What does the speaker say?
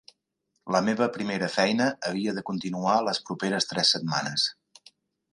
La meva primera feina havia de continuar les properes tres setmanes.